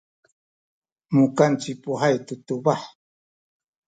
mukan ci Puhay tu tubah.